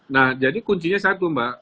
nah jadi kuncinya satu mbak